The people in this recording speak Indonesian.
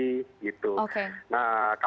nah kami tidak mengharapkan